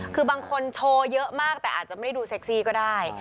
คือบางคนโชว์เยอะมากแต่อาจจะไม่ได้ดูเซ็กซี่ก็ได้